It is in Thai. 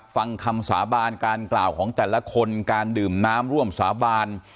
ฟังคำสาบานการกล่าวของแต่ละคนการดื่มน้ำร่วมสาบาน